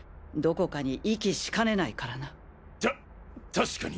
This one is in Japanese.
確かに！